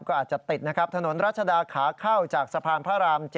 ก็อาจจะติดนะครับถนนรัชดาขาเข้าจากสะพานพระราม๗